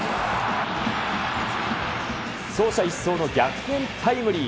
走者一掃の逆転タイムリー。